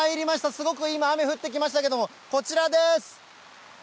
すごく今、雨降ってきましたけれども、こちらです。